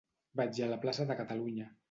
Vaig a la plaça de Catalunya.